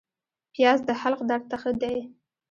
پیاز د حلق درد ته ښه دی